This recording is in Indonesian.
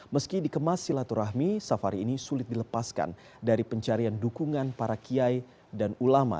meski dikemas silaturahmi safari ini sulit dilepaskan dari pencarian dukungan para kiai dan ulama